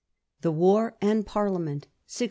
The War and Parliament, 1677.